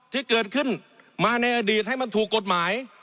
ที่เกิดขึ้นมาในอดีตให้มันถูกกฎหมาย